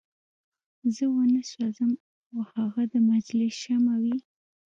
زه وانه سوځم او هغه د مجلس شمع وي.